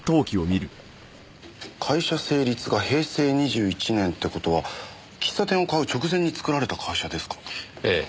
会社成立が平成２１年って事は喫茶店を買う直前に作られた会社ですかね。